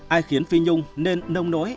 ai khiến phi nhung nên nông nỗi